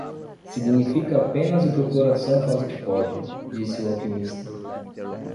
"Significa apenas que o coração faz o que pode", disse o alquimista.